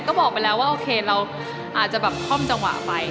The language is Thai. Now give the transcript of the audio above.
ก็บอกไปแล้วว่าโอเคเราอาจจะแบบคล่อมจังหวะไป